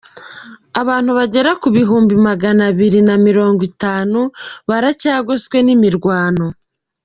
Abantu bagera ku bihumbi magana abiri na mirongo itanu baracyagoswe n'imirwano.